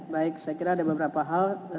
baik saya kira ada beberapa hal